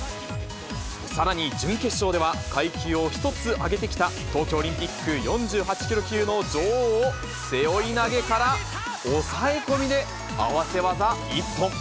さらに準決勝では、階級を１つ上げてきた東京オリンピック４８キロ級の女王を背負い投げから、抑え込みで合わせ技一本。